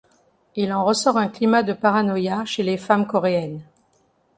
Il en ressort un climat de paranoïa chez les femmes coréennes.